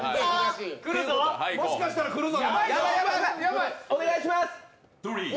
もしかしたら来るぞ！